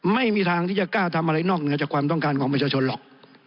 ไม่มีทางที่จะกล้าทำอะไรนอกเหนือจากความต้องการของประชาชนหรอก